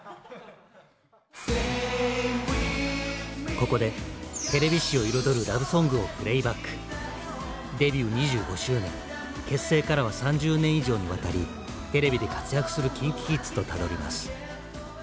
ここでデビュー２５周年結成からは３０年以上にわたりテレビで活躍するＫｉｎＫｉＫｉｄｓとたどります。